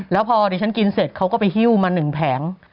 แล้วพอดิฉันกินเสร็จเขาก็ไปฮิ้วมา๑แผง